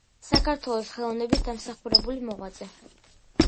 საქართველოს ხელოვნების დამსახურებული მოღვაწე.